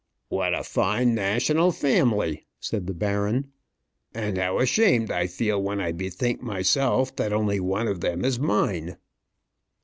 "What a fine national family!" said the baron. "And how ashamed I feel when I bethink myself that only one of them is mine!"